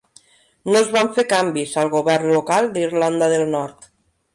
No es van fer canvis al govern local d'Irlanda del Nord.